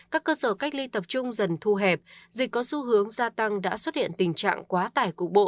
các cơ sở cách ly tập trung dần thu hẹp dịch có xu hướng gia tăng đã xuất hiện tình trạng quá tải cục bộ